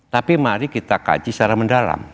tapi mari kita kaji secara mendalam